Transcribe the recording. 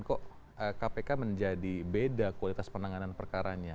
kok kpk menjadi beda kualitas penanganan perkaranya